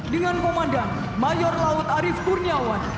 dengan komandan mayor laut arief kurniawan